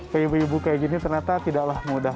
ke ibu ibu kayak gini ternyata tidaklah mudah